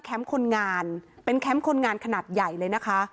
คนงานเป็นแคมป์คนงานขนาดใหญ่เลยนะคะ